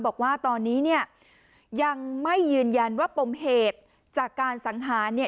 บอกว่าตอนนี้เนี่ยยังไม่ยืนยันว่าปมเหตุจากการสังหารเนี่ย